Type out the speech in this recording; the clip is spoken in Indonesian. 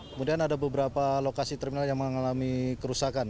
kemudian ada beberapa lokasi terminal yang mengalami kerusakan